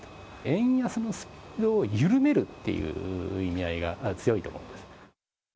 円安のスピードを緩めるっていう意味合いが強いと思うんです。